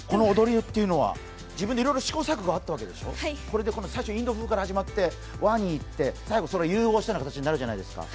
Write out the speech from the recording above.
自分でいろいろ試行錯誤あったわけでしょ、最初インド風から始まって和にいって、最後融合したような形になるじゃないですか。